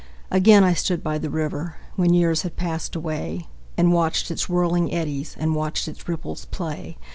Again I stood by the river, When years had passed away, And watched its whirling eddies, And watched its ripples play.